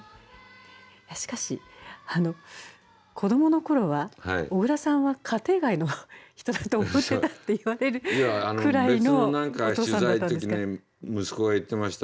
しかしあの子どもの頃は小椋さんは家庭外の人だと思ってたって言われるくらいのお父さんだったんですか？